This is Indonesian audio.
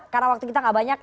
karena waktu kita tidak banyak